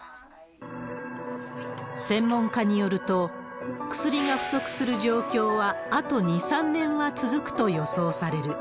専門家によると、薬が不足する状況はあと２、３年は続くと予想される。